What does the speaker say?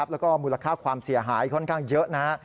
แล้วก็มูลค่าความเสียหายค่อนข้างเยอะนะฮะ